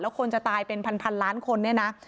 แล้วคนจะตายเป็นพันพันล้านคนเนี่ยนะ